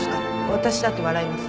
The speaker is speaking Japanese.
私だって笑います